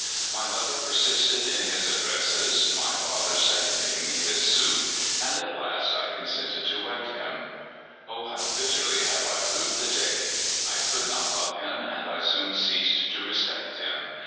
jNIy lover persisted in his addresses, my father seconding his suit, and at last I con sented to wed him. O how bitterly have I rued the day ! I could not love him, and I soon ceased to respect him.